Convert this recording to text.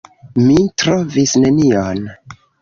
Mi trovis nenion.